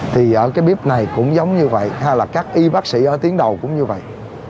thì ở cái bếp này cũng giống như vậy hay là các y bác sĩ ở tuyến đầu cũng như vậy